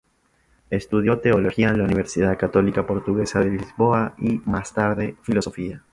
Estudió Teología en la Universidad Católica Portuguesa de Lisboa y más tarde, Filosofía.